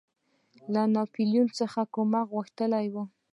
ناپولیون څخه کومک غوښتی وو.